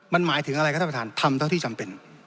มันหมายถึงอะไรครับท่านประธานทำเท่าที่จำเป็น